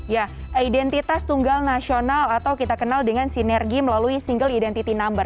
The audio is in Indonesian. ya identitas tunggal nasional atau kita kenal dengan sinergi melalui single identity number